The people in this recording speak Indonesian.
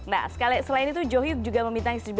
nah selain itu jo hyuk juga membintang istri buah vogue